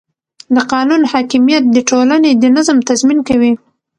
د قانون حاکمیت د ټولنې د نظم تضمین کوي